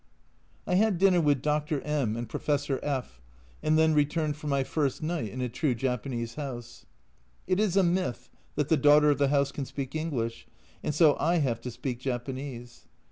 " I had dinner with Dr. M and Professor F , and then returned for my first night in a true Japanese house. It is a myth that the daughter of the house can speak English, and so I have to speak Japanese